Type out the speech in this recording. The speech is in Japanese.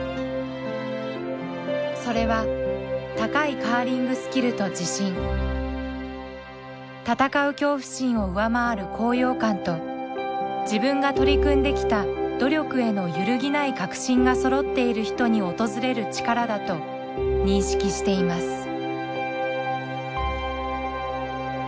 それは「高いカーリングスキルと自信戦う恐怖心を上回る高揚感と自分が取り組んできた努力への揺るぎない確信がそろってる人に訪れる力だと認識しています」。